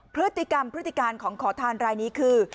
พฤติกรรมพฤติการของขอทานรายนี้คือ